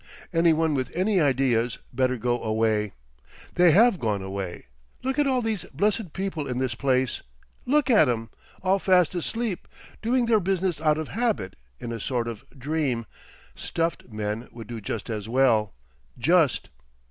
Any one with any ideas better go away. They have gone away! Look at all these blessed people in this place! Look at 'em! All fast asleep, doing their business out of habit—in a sort of dream, Stuffed men would do just as well—just.